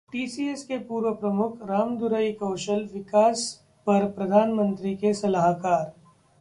TCS के पूर्व प्रमुख रामदुरई कौशल विकास पर प्रधानमंत्री के सलाहकार